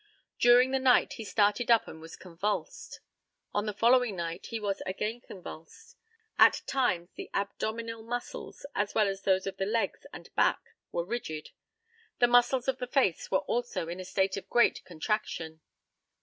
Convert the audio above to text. During the night he started up and was convulsed. On the following night he was again convulsed. At times the abdominal muscles, as well as those of the legs and back, were rigid; the muscles of the face were also in a state of great contraction.